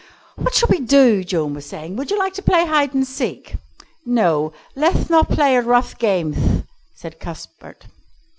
"What shall we do?" Joan was saying. "Would you like to play hide and seek?" "No; leth not play at rough gameth," said Cuthbert.